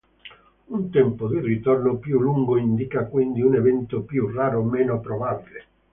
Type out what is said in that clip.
Un tempo di ritorno più lungo indica quindi un evento più raro, meno probabile.